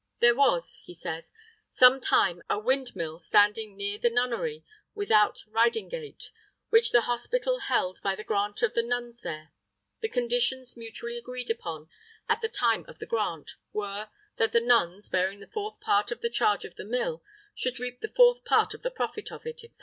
"There was," says he, "sometime a windmill standing neare the nonnery without Ridingate, which the hospitall held by the grant of the nonnes there: the conditions mutually agreed upon, at the time of the grant, were that the nonnes, bearing the fourth part of the charge of the mill, should reap the fourth part of the profit of it, &c.